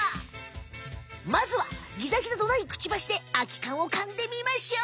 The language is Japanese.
まずはギザギザのないクチバシであきかんをかんでみましょう！